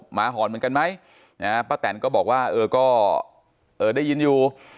หมาหอนเหมือนกันไหมป้าแตนก็บอกว่าเออก็ได้ยินอยู่